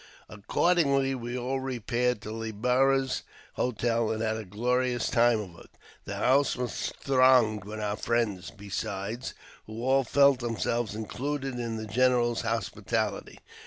Accordingly, we all repaired to Le Barras's hotel, and had a glorious time of it. The house was thronged with our friends JAMES P. BECKWOUBTH. 89 besides, who all felt themselves included in the general's hospitahty.